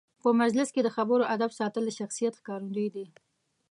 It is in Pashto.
په مجلس کې د خبرو آدب ساتل د شخصیت ښکارندوی دی.